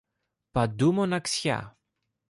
Παντού μοναξιά.